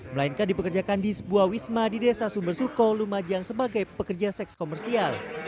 melainkan dipekerjakan di sebuah wisma di desa sumber suko lumajang sebagai pekerja seks komersial